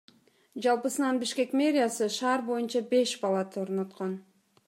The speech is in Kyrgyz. Жалпысынан Бишкек мэриясы шаар боюнча беш балаты орноткон.